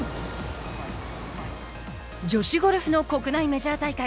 女子ゴルフの国内メジャー大会。